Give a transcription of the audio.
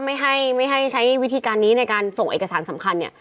ไม่ให้ใช้วิธีการนี้ในการส่งเอกสารสำคัญ